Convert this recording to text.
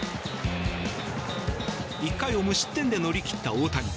１回を無失点で乗り切った大谷。